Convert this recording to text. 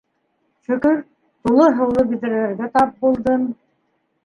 Шөкөр, тулы һыулы биҙрәләргә тап булдым.